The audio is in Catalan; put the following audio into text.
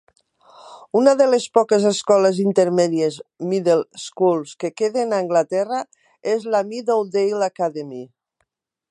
Una de les poques escoles intermèdies (middle schools) que queden a Anglaterra és la Meadowdale Academy.